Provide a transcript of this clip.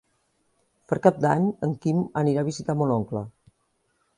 Per Cap d'Any en Quim anirà a visitar mon oncle.